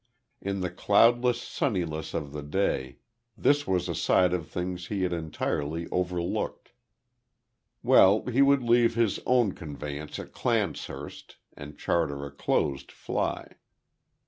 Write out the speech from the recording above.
In the cloudless sunniness of the day this was a side of things he had entirely overlooked. Well, he would leave his own conveyance at Clancehurst and charter a closed fly.